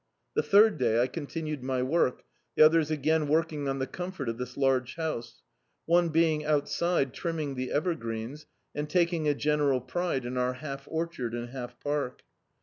The third day I ccntinued my work, the others ag^n working on the cmnfort of this lai^ house; one being outside trimming the evergreens, and taking a general pride in our half orchard and half park.